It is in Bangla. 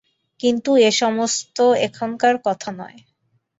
কিন্তু এ-সমস্ত এখনকার কথা নয়।